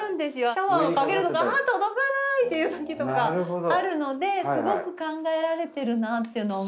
シャワーをかけるとこ「あ届かない！」っていう時とかあるのですごく考えられてるなっていうのは思います。